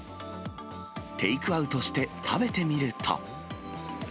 テイクアウトして食べてみると。